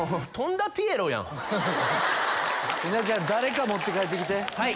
稲ちゃん誰か持って帰って来て。